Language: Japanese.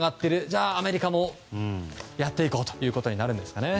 じゃあ、アメリカもやっていこうということになるんですかね。